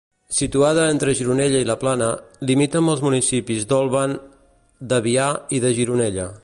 Situada entre Gironella i la Plana, limita amb els municipis d'Olvan, d'Avià i de Gironella.